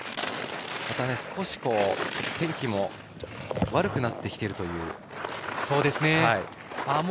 少し天気も悪くなってきているという。